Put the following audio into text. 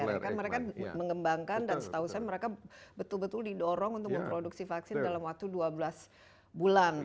karena kan mereka mengembangkan dan setahu saya mereka betul betul didorong untuk memproduksi vaksin dalam waktu dua belas bulan